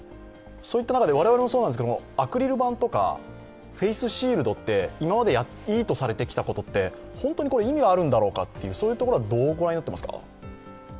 そういった中で、アクリル板とかフェイスシールドって、今までいいとされてきたことは本当に意味があるんだろうかと、そういう所はどう御覧になってますか？